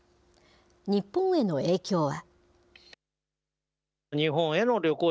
日本への影響は。